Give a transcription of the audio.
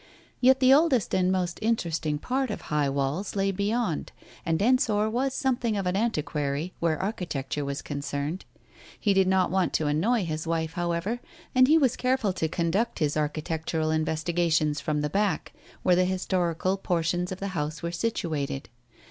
Yet the oldest and most interesting part of High Walls lay beyond, and Ensor was something of an antiquary, where architecture was concerned. He did not want to annoy his wife, however, and he was careful to conduct his architectural investigations from the back, where the historical por tions of the house were situated.